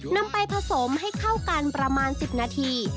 นำไปผสมให้เข้ากันประมาณ๑๐นาที